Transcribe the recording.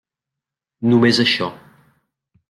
Només això.